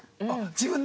自分で？